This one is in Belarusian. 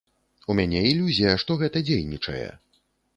У мяне ілюзія, што гэта дзейнічае.